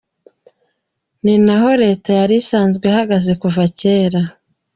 Ni na ho leta yari isanzwe ihagaze kuva kera.